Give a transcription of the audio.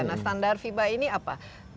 nah standar fiba ini apa